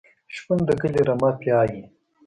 شپون د کلي رمه پیایي.